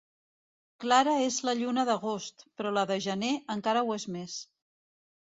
Clara és la lluna d'agost, però la de gener, encara ho és més.